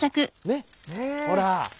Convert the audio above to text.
ねっほら。